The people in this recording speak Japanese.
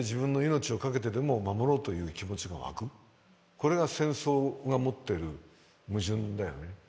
これが戦争が持ってる矛盾だよね。